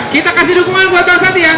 kita kasih dukungan buat bang sandi ya